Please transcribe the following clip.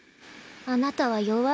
あなたは弱いのね。